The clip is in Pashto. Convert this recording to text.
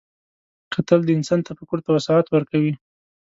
کتل د انسان تفکر ته وسعت ورکوي